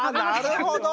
あなるほど。